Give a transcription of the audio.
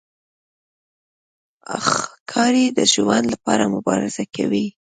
ښکاري د ژوند لپاره مبارزه کوي.